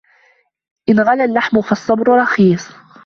إن غلا اللحم فالصبر رخيص